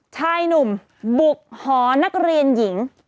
ชายหนุ่มบุกหอนักเรียนหญิง